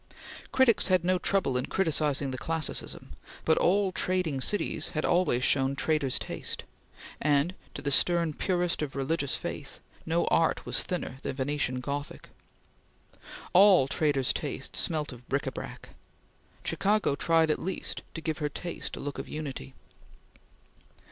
Critics had no trouble in criticising the classicism, but all trading cities had always shown traders' taste, and, to the stern purist of religious faith, no art was thinner than Venetian Gothic. All trader's taste smelt of bric a brac; Chicago tried at least to give her taste a look of unity.